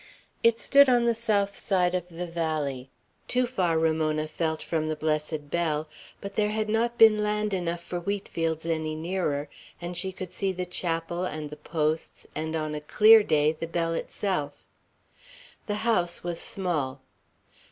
It stood on the south side of the valley, too far, Ramona felt, from the blessed bell; but there had not been land enough for wheat fields any nearer, and she could see the chapel, and the posts, and, on a clear day, the bell itself. The house was small.